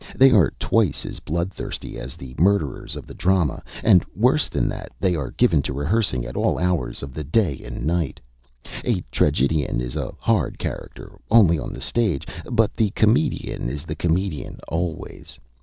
They are twice as bloodthirsty as the murderers of the drama, and, worse than that, they are given to rehearsing at all hours of the day and night. A tragedian is a hard character only on the stage, but the comedian is the comedian always.